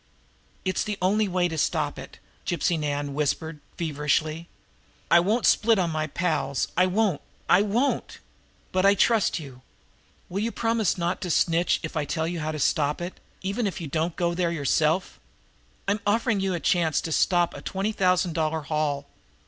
"It's the only way to stop it!" Gypsy Nan whispered feverishly. "I won't split on my pals I won't I won't! But I trust you. Will you promise not to snitch if I tell you how to stop it, even if you don't go there yourself? I'm offering you a chance to stop a twenty thousand dollar haul.